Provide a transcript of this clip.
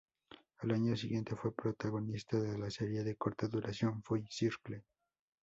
Al año siguiente fue protagonista de la serie de corta duración "Full Circle".